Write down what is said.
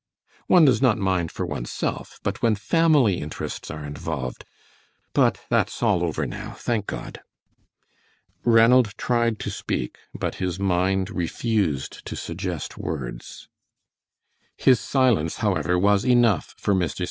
"One does not mind for one's self, but when family interests are involved but that's all over now, thank God!" Ranald tried to speak, but his mind refused to suggest words. His silence, however, was enough for Mr. St.